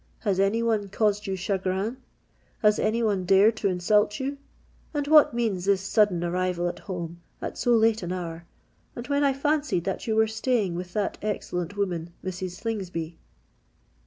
Has any one caused you chagrin? has any one dared to insult you? And what means this sudden arrival at home—at so late an hour—and when I fancied that you were staying with that excellent woman, Mrs. Slingsby?"